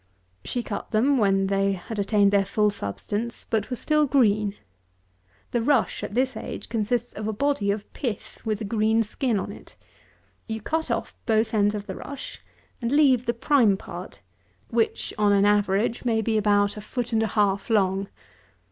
She cut them when they had attained their full substance, but were still green. The rush at this age, consists of a body of pith with a green skin on it. You cut off both ends of the rush, and leave the prime part, which, on an average, may be about a foot and a half long.